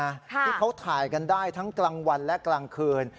ที่เขาถ่ายกันได้ทั้งกลางวันและกลางคืน